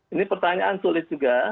ini pertanyaan sulit juga mbak eva